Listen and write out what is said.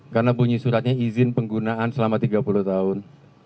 karena bunyi suratnya izin penggunaan selama tiga puluh tahun